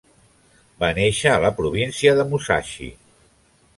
Va néixer a la província de Musashi.